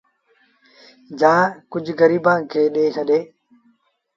جآنٚ گريبآنٚ کي ڪجھ ڏي ڇڏي